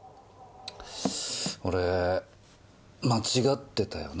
俺間違ってたよな。